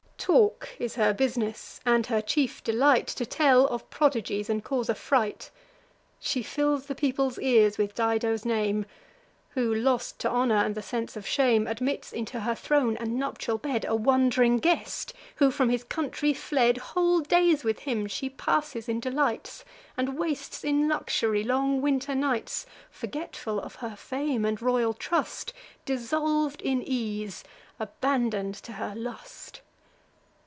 Talk is her business, and her chief delight To tell of prodigies and cause affright. She fills the people's ears with Dido's name, Who, lost to honour and the sense of shame, Admits into her throne and nuptial bed A wand'ring guest, who from his country fled: Whole days with him she passes in delights, And wastes in luxury long winter nights, Forgetful of her fame and royal trust, Dissolv'd in ease, abandon'd to her lust.